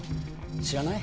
知らない？